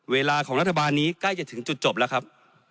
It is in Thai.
เวลาของรัฐบาลนี้ใกล้จะถึงจุดจบแล้วครับ